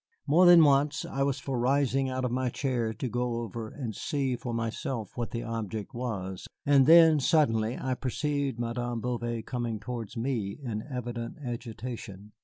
More than once I was for rising out of my chair to go over and see for myself what the object was, and then, suddenly, I perceived Madame Bouvet coming towards me in evident agitation.